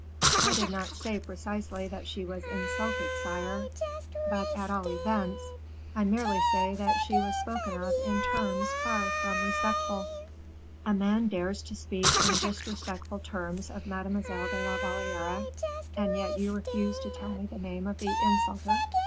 "I do not say precisely that she was insulted, sire." "But at all events " "I merely say that she was spoken of in terms far enough from respectful." "A man dares to speak in disrespectful terms of Mademoiselle de la Valliere, and yet you refuse to tell me the name of the insulter?"